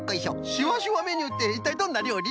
しわしわメニューっていったいどんなりょうり？